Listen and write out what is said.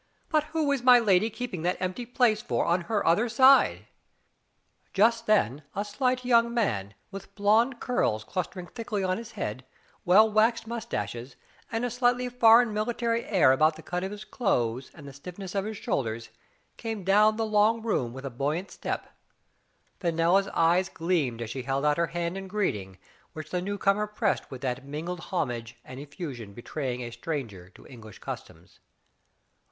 But who is my lady keeping that empty place for on her other side?" Just then a slight young man, with blond curls clustering thickly on his head, well waxed mustaches, and a slightly foreign military air Digitized by Google S6 THE FATE OF FENELLA. about the cut of his clothes and the stiffness of his shoulders, came down the long room with a buoyant step, Fenella's eyes gleamed as she held out her hand in greeting, which the new comer pressed with that mingled homage .and effusion betraying a stranger to English customs.